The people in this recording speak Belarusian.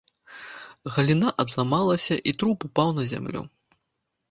Галіна адламалася, і труп упаў на зямлю.